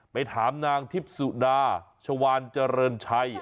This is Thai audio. ไปถามนางทิพสุดาชะวราเอิญชัย